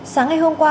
sáng ngày hôm qua